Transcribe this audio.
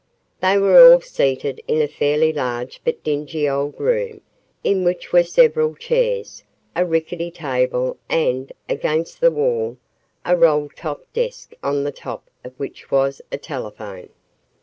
They were all seated in a fairly large but dingy old room, in which were several chairs, a rickety table and, against the wall, a roll top desk on the top of which was a telephone.